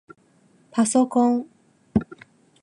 ぱそこん